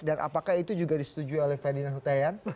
dan apakah itu juga disetujui oleh ferdinand hutaian